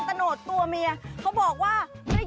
ไปค่ะ